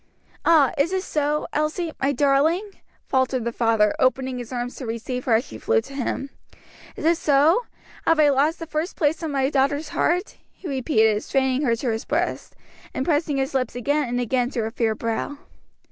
"Ah, is it so, Elsie, my darling?" faltered the father, opening his arms to receive her as she flew to him. "Is it so? have I lost the first place in my daughter's heart?" he repeated, straining her to his breast, and pressing his lips again and again to her fair brow.